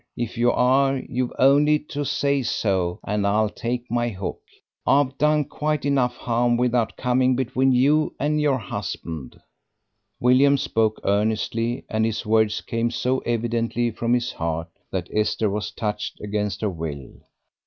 If you are, you've only to say so and I'll take my hook. I've done quite enough harm, without coming between you and your husband." William spoke earnestly, and his words came so evidently from his heart that Esther was touched against her will.